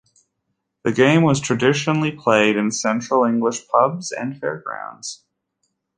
The game was traditionally played in central English pubs and fairgrounds.